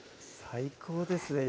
最高ですね